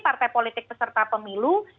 partai politik peserta pemilu